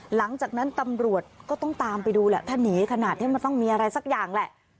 หลังจากนั้นตำรวจก็ต้องตามไปดูแหละถ้าหนีขนาดนี้มันต้องมีอะไรสักอย่างแหละ